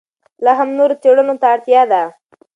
لا هم نورو څېړنو ته اړتیا ده.